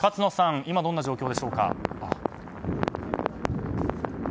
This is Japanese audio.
今、どんな状況でしょうか。